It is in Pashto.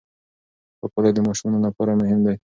پاکوالی د ماشومانو لپاره مهم دی.